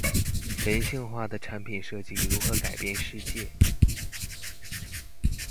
人性化的產品設計如何改變世界